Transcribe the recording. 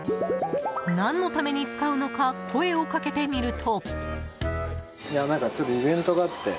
何のために使うのか声をかけてみると。